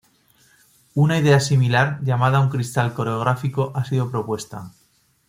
Una idea similar llamada un cristal coreográfico ha sido propuesta.